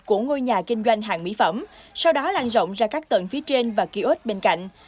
của ngôi nhà kinh doanh hàng mỹ phẩm sau đó lan rộng ra các tầng phía trên và kiosk bên cạnh